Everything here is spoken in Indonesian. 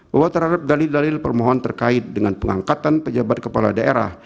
bahwa terhadap dalil dalil permohonan terkait dengan pengangkatan pejabat kepala daerah